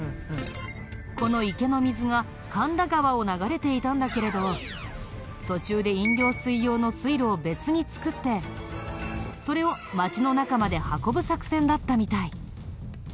この池の水が神田川を流れていたんだけれど途中で飲料水用の水路を別に作ってそれを町の中まで運ぶ作戦だったみたい。